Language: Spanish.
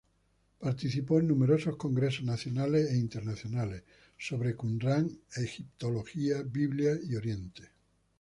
Participó en numerosos congresos nacionales e internacionales sobre Qumrán, Egiptología, Biblia y Oriente.